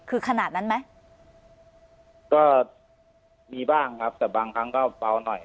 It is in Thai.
คือขนาดนั้นไหมก็มีบ้างครับแต่บางครั้งก็เบาหน่อย